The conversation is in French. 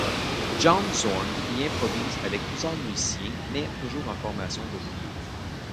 John Zorn y improvise avec plusieurs musiciens mais toujours en formation de trio.